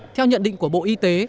theo nhận định của bộ y tế